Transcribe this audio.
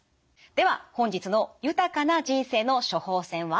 では本日の豊かな人生の処方せんは？